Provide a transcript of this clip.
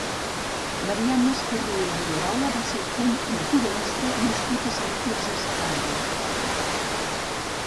Marià Masferrer i Rierola va ser un naturalista nascut a Sant Quirze Safaja.